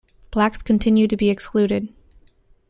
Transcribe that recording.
Blacks continued to be excluded.